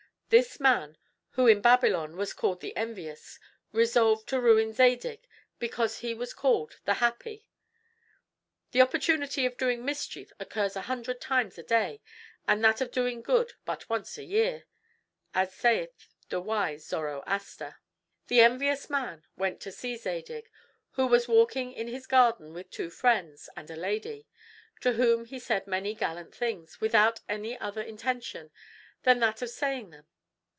This man, who in Babylon was called the Envious, resolved to ruin Zadig because he was called the Happy. "The opportunity of doing mischief occurs a hundred times in a day, and that of doing good but once a year," as sayeth the wise Zoroaster. The envious man went to see Zadig, who was walking in his garden with two friends and a lady, to whom he said many gallant things, without any other intention than that of saying them.